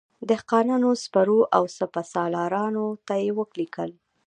دهقانانو، سپرو او سپه سالارانو ته یې ولیکل.